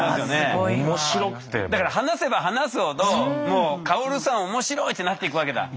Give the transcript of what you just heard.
だから話せば話すほどもう薫さん面白いってなっていくわけだ。